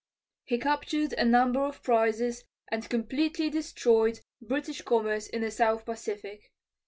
He captured a number of prizes, and completely destroyed British commerce in the south Pacific.